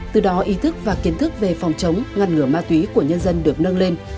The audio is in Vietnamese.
từ đó ý thức và kiến thức về phòng chống ngăn ngừa ma túy của nhân dân được nâng lên